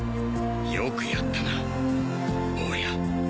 よくやったな坊や。